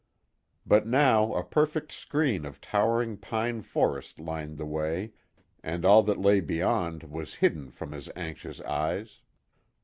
But now a perfect screen of towering pine forest lined the way, and all that lay beyond was hidden from his anxious eyes.